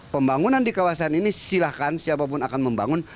pembangunan di kawasan ini silahkan siapapun akan membangun